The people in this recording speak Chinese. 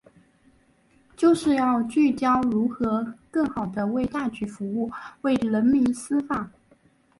就是要聚焦如何更好地为大局服务、为人民司法